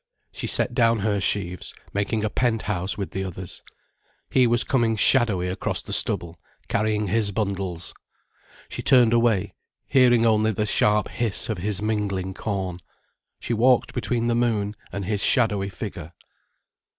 She set down her sheaves, making a pent house with those others. He was coming shadowy across the stubble, carrying his bundles, She turned away, hearing only the sharp hiss of his mingling corn. She walked between the moon and his shadowy figure.